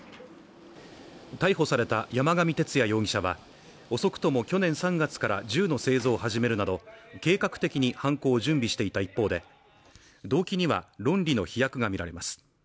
逮捕された山上徹也容疑者は、遅くとも去年３月から銃の製造を始めるなど計画的に犯行を準備していた一方で、動機には論理の飛躍がみられます。